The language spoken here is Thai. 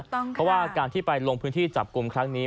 เพราะว่าการที่ไปลงพื้นที่จับกลุ่มครั้งนี้